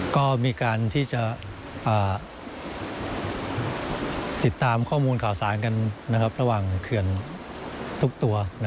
ก็มีการที่จะติดตามข้อมูลข่าวสารกันระหว่างเขื่อนทุกตัว